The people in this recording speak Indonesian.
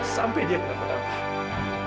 sampai dia kenapa napa